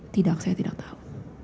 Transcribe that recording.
tidak saya tidak tahu